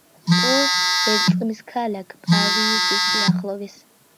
პოს ერწყმის ქალაქ პავიის სიახლოვეს.